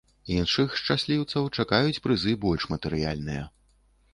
Іншых шчасліўцаў чакаюць прызы больш матэрыяльныя.